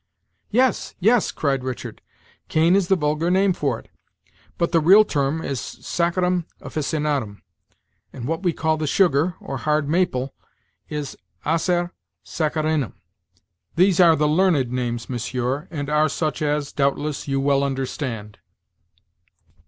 "Yes, yes," cried Richard, "cane is the vulgar name for it, but the real term is saccharum officinarum; and what we call the sugar, or hard maple, is acer saccharinum. These are the learned names, monsieur, and are such as, doubtless, you well understand."